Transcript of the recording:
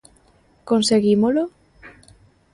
¿Conseguímolo?